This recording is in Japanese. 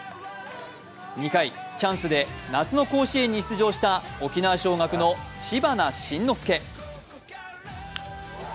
２回、チャンスで夏の甲子園に出場した沖縄尚学の知花慎之助。